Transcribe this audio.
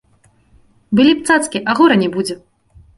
Былі б цацкі, а гора не будзе.